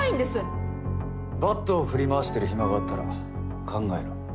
バットを振り回してる暇があったら考えろ。